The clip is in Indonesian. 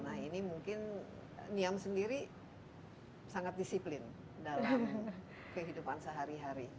nah ini mungkin niam sendiri sangat disiplin dalam kehidupan sehari hari